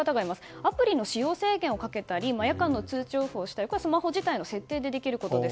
アプリの使用制限をかけたり夜間の通知オフをしたりとかスマホ自体で設定をできることです。